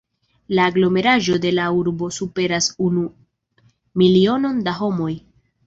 La aglomeraĵo de la urbo superas unu milionon da homoj.